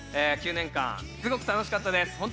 ９年間すごく楽しかったです。